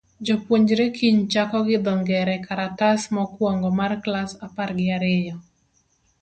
Jopuonjre kiny chako gi dho ngere karatas mokuongo mar klas apar gi ariyo.